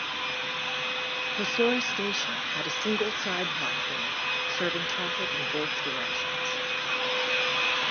Hosoura Station had a single side platform serving traffic in both directions.